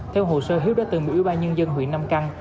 theo hồ sơ hiếu đã từng bị ủy ba nhân dân huyện nam căng